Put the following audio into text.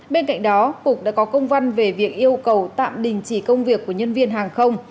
bên cạnh đó cục đã có công văn về việc yêu cầu tạm đình chỉ công việc của nhân viên hàng không